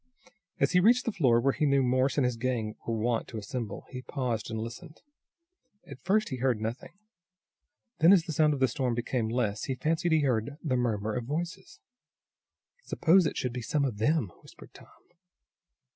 As he reached the floor where he knew Morse and his gang were wont to assemble, he paused and listened. At first he heard nothing, then, as the sound of the storm became less he fancied he heard the murmur of voices. "Suppose it should be some of them?" whispered Tom.